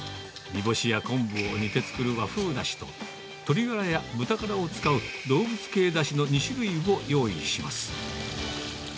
煮干しや昆布を煮て作る和風だしと、鶏ガラや豚ガラを使う動物系だしの２種類を用意します。